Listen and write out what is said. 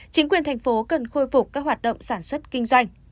chính quyền thành phố cần khôi phục các hoạt động sản xuất kinh doanh